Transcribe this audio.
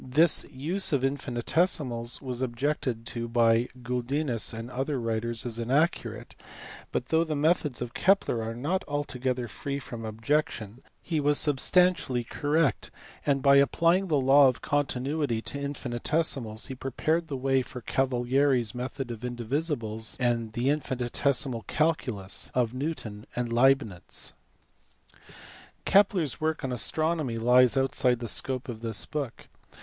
This use of infinitesimals was objected to by Guldinus and other writers as inaccurate, but though the methods of Kepler are not altogether free from objection he was substantially correct, and by applying the law of continuity to infinitesimals he prepared the way* for Cavalieri s method of indivisibles, and the infinitesimal calculus of Newton and Leibnitz. Kepler s work on astronomy lies outside the scope of this book.